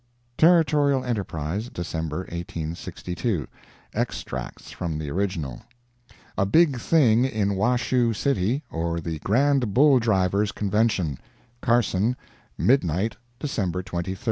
Territorial Enterprise, December 1862 [extracts from original] A BIG THING IN WASHOE CITY OR THE GRAND BULL DRIVER'S CONVENTION Carson, Midnight December 23d.